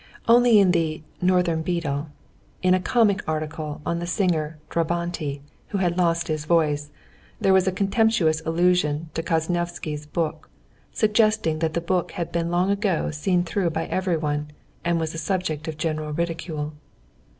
Only in the Northern Beetle, in a comic article on the singer Drabanti, who had lost his voice, there was a contemptuous allusion to Koznishev's book, suggesting that the book had been long ago seen through by everyone, and was a subject of general ridicule.